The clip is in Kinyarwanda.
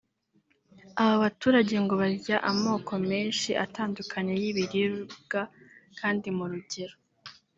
Aba baturage ngo barya amoko menshi atandukanye y’ibiribwa kandi mu rugero